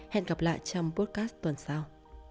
hẹn gặp lại trong podcast tuần sau